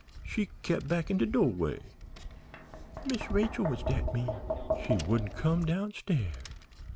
She kep' back in de do'way. "Miss Rachel was dat mean she wouldn't come downstairs.